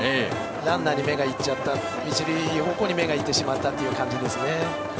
ランナーに目がいっちゃった一塁方向に目が行ってしまったという感じですかね。